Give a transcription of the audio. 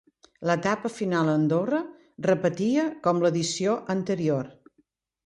L'etapa final a Andorra, repetia com l'edició anterior.